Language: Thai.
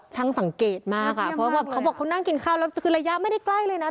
ช่างสังเกตมากเค้าบอกเขานั่งกินข้าวแล้วระยะไม่ได้ใกล้เลยนะ